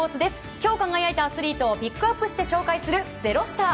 今日輝いたアスリートをピックアップして紹介する「＃ｚｅｒｏｓｔａｒ」。